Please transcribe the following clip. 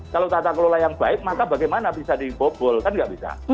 kalau tata kelola yang baik maka bagaimana bisa dibobol kan nggak bisa